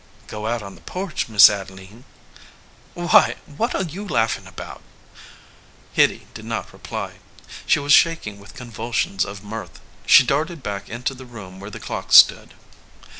"Go out on the porch, Miss Adeline." "Why ? What are you laughing about ?" Hitty did not reply. She was shaking with con vulsions of mirth; she darted back into the room v/here the clock stood.